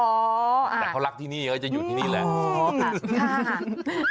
แต่เขารักที่นี่เขาจะอยู่ที่นี่แหละ